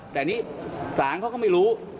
แต่นี่ศาลเขาก็ไม่รู้